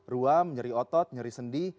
ruam nyeri otot nyeri sendi